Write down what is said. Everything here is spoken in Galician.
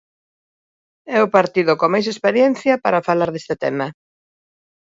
¡É o partido con máis experiencia para falar deste tema!